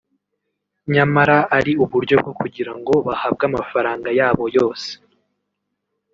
nyamara ari uburyo bwo kugira ngo bahabwe amafaranga yabo yose